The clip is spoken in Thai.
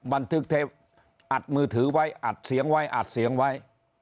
อัดมือถือไว้อัดเสียงไว้อัดเสียงไว้